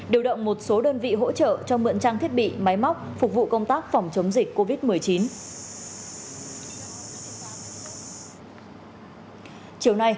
điều động một số đơn vị hỗ trợ cho mượn trang thiết bị máy móc phục vụ công tác phòng chống dịch covid một mươi chín